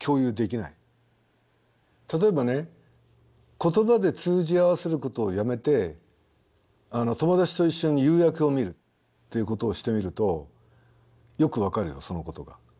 例えばね言葉で通じ合わせることをやめて友達と一緒に夕焼けを見るっていうことをしてみるとよく分かるよそのことが。